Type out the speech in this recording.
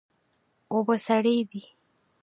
اوبه سړې دي